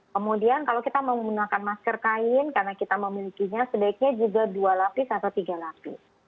kemudian kalau kita menggunakan masker kain karena kita memilikinya sebaiknya juga dua lapis atau tiga lapis